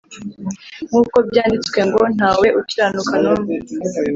nkuko byanditswe ngo: Ntawe ukiranuka n'umwe